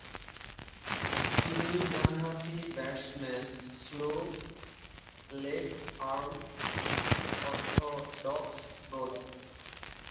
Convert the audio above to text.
তিনি ডানহাতি batsman slow left arm orthodox bowler.